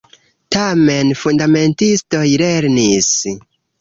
Tamen fundamentistoj lernis.